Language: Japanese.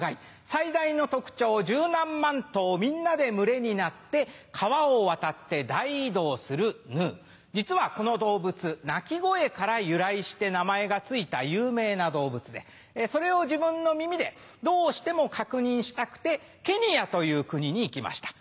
最大の特徴１０何万頭みんなで群れになって川を渡って大移動するヌー実はこの動物鳴き声から由来して名前が付いた有名な動物でそれを自分の耳でどうしても確認したくてケニアという国に行きました。